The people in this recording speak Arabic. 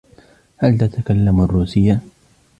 هل تتكلم الروسية ؟